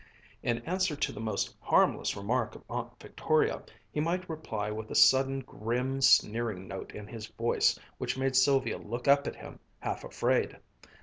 In answer to the most harmless remark of Aunt Victoria, he might reply with a sudden grim sneering note in his voice which made Sylvia look up at him half afraid.